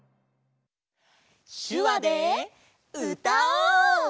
しゅわでうたおう！